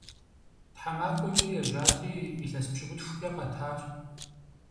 Тхьэмахуэкӏэ ежьати, илъэс пщыкӏухкӏэ къэтащ.